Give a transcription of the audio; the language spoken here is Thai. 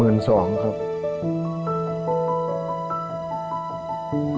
และมีอาจจะได้รายได้อย่างน้อย